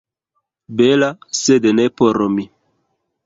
Bela, sed ne por mi.